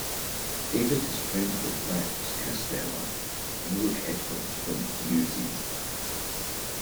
David is friends with Max Casella and Luke Edwards from "Newsies".